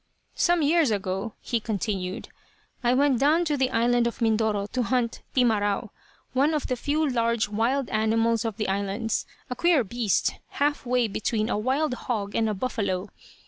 "Some years ago," he continued, "I went down to the island of Mindoro to hunt 'timarau,' one of the few large wild animals of the islands a queer beast, half way between a wild hog and a buffalo.